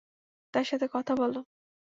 তার সাথে কথা বলো।